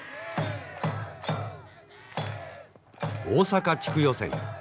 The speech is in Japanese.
大阪地区予選